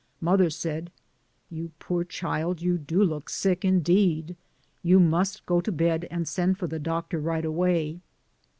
Mother said, "You poor child, you do look sick, indeed; you must go to bed and send for the doctor right away."